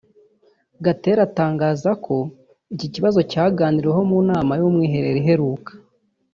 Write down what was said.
Gatera atangaza ko iki kibazo cyaganiriweho mu nama y’Umwiherero iheruka